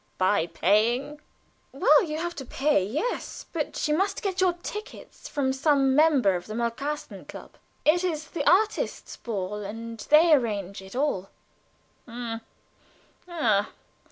By paying?" "Well, you have to pay yes. But you must get your tickets from some member of the Malkasten Club. It is the artists' ball, and they arrange it all." "H'm!